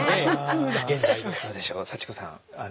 どうでしょう幸子さん